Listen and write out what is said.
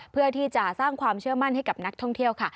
เพื่อที่จะสร้างความเชื่อมั่นให้กับนักท่องเที่ยวค่ะ